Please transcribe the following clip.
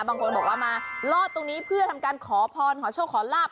บางคนบอกว่ามาลอดตรงนี้เพื่อทำการขอพรขอโชคขอลาบ